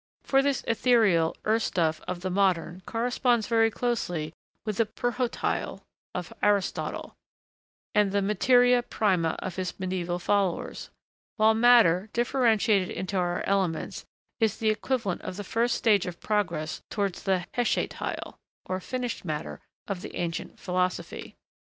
For this ethereal 'Urstoff' of the modern corresponds very closely with the prhôtê hylê of Aristotle, the materia prima of his mediæval followers; while matter, differentiated into our elements, is the equivalent of the first stage of progress towards the heschhatê hylê, or finished matter, of the ancient philosophy.